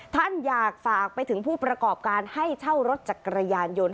ท่านอยากฝากไปถึงผู้ประกอบการให้เช่ารถจักรยานยนต์